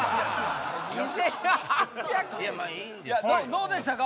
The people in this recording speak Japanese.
どうでしたか？